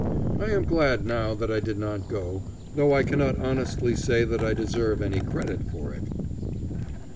I am glad now that I did not go, though I cannot honestly say that I deserve any credit for it.